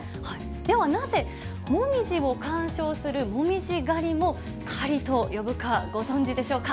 ではなぜ、モミジを観賞する紅葉狩りも狩りと呼ぶかご存じでしょうか。